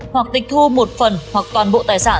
hoặc tịch thu một phần hoặc toàn bộ tài sản